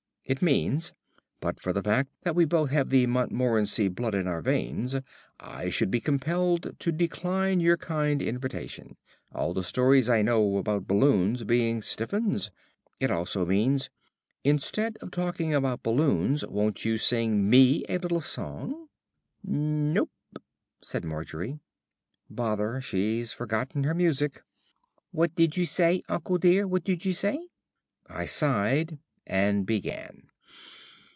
It means, 'But for the fact that we both have the Montmorency blood in our veins, I should be compelled to decline your kind invitation, all the stories I know about balloons being stiff 'uns.' It also means, 'Instead of talking about balloons, won't you sing me a little song?'" "Nope," said Margery. "Bother, she's forgotten her music." "What did you say, uncle dear; what did you say?" I sighed and began.